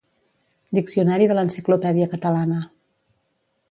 Diccionari de l'Enciclopèdia Catalana.